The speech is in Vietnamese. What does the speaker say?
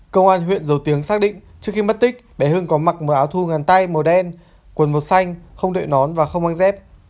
công an huyện dầu tiếng xác định trước khi mất tích bé hưng có mặc áo thu ngàn tay màu đen quần màu xanh không đệ nón và không ăn dép